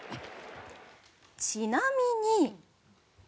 ちなみに。